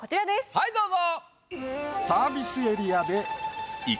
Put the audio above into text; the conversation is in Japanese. はいどうぞ。